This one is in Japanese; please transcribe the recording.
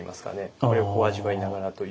これを味わいながらという。